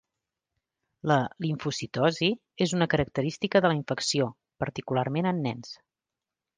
La limfocitosi és una característica de la infecció, particularment en nens.